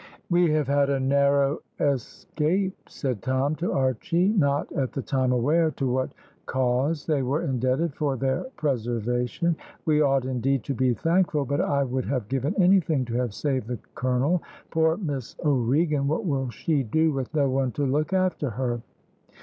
"We have had a narrow escape," said Tom to Archy, not at the time aware to what cause they were indebted for their preservation. "We ought indeed to be thankful; but I would have given anything to have saved the colonel. Poor Miss O'Regan, what will she do with no one to look after her?"